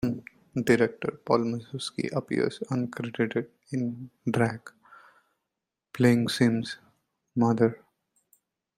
Director Paul Mazursky appears uncredited in drag, playing Simms' mother.